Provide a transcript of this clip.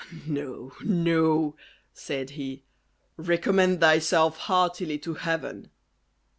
"No, no," said he; "recommend thyself heartily to Heaven."